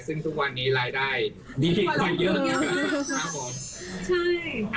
ซึ่งทุกวันนี้รายได้ดีเห็น่อยเยอะ